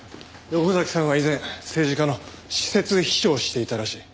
横崎さんは以前政治家の私設秘書をしていたらしい。